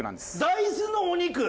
大豆のお肉！